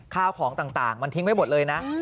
ข้าวของต่างมันทิ้งไว้หมดเลยนะ